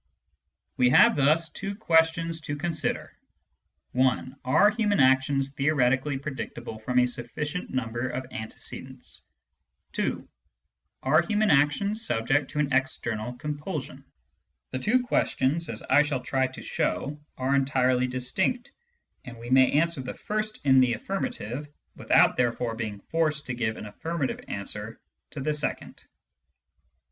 We have thus two questions to consider : (i) Are human actions theoretically predictable from a sufficient number of antecedents ? (2) Are human actions subject to an external compulsion ? The two questions, as I shall try to show, are entirely distinct, and we may answer the first in the aflSrmative without therefore being forced to give an affirmative answer to the second.